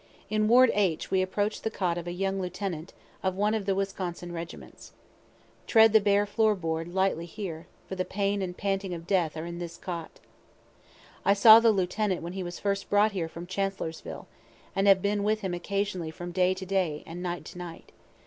In ward H we approach the cot of a young lieutenant of one of the Wisconsin regiments. Tread the bare board floor lightly here, for the pain and panting of death are in this cot. I saw the lieutenant when he was first brought here from Chancellorsville, and have been with him occasionally from day to day and night to night.